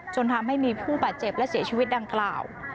จนทำให้มีผู้บาดเจ็บและเสียชีวิตดังกล่าว